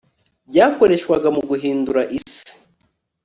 Byakoreshwa mu guhindura isi